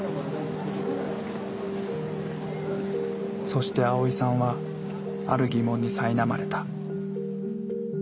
そしてアオイさんはある疑問にさいなまれた。